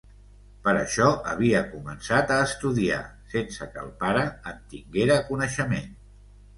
Per això havia començat a estudiar, sense que el pare en tinguera coneixement.